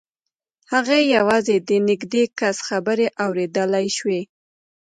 هغه یوازې د نږدې کس خبرې اورېدلای شوې